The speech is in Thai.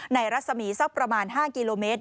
รัศมีสักประมาณ๕กิโลเมตร